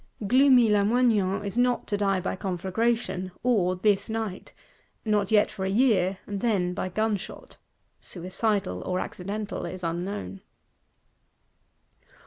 Gloomy Lamoignon is not to die by conflagration, or this night; not yet for a year, and then by gunshot (suicidal or accidental is unknown).